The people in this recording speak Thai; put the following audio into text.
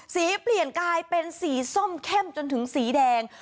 เปลี่ยนกลายเป็นสีส้มเข้มจนถึงสีแดง